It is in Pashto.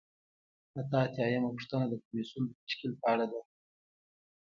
اته اتیا یمه پوښتنه د کمیسیون د تشکیل په اړه ده.